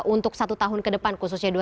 untuk satu tahun ke depan khususnya